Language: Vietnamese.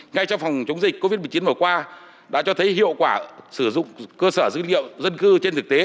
ngay trong phòng chống dịch covid một mươi chín vừa qua đã cho thấy hiệu quả sử dụng cơ sở dữ liệu dân cư trên thực tế